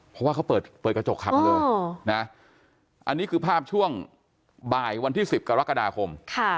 เพราะว่าเขาเปิดกระจกขับมาเลยนะอันนี้คือภาพช่วงบ่ายวันที่๑๐กรกฎาคม